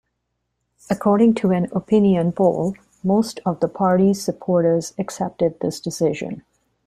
According to an opinion poll, most of the party's supporters accepted this decision.